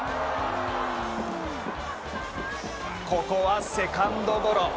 ここはセカンドゴロ。